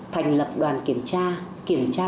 thành lập đoàn kiểm tra kiểm tra